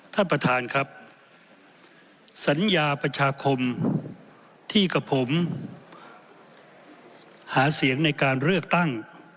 ท่านประธานครับสัญญาประชาคมที่กับผมหาเสียงในการเลือกตั้ง